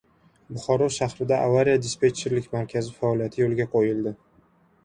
Buxoro shahrida avariya-dispetcherlik markazi faoliyati yo‘lga qo‘yildi